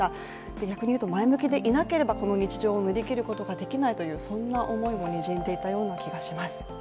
逆に言うと、前向きでいなければこの日常を乗り切ることができないという、そんな思いもにじんでいたような気がします。